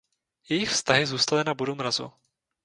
Jejich vztahy zůstaly na bodu mrazu.